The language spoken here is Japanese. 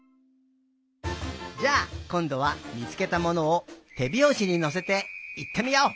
じゃあこんどはみつけたものをてびょうしにのせていってみよう！